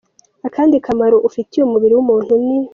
Akandi kamaro ufitiye umubiri w’umuntu ni:.